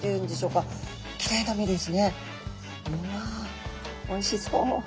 うわおいしそう。